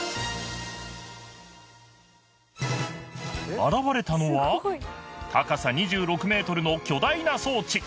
現れたのは高さ２６メートルの巨大な装置！